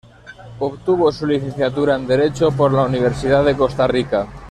Obtuvo su licenciatura en Derecho por la Universidad de Costa Rica.